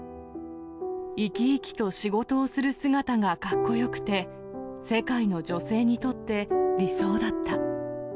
生き生きと仕事をする姿が、格好よくて、世界の女性にとって、理想だった。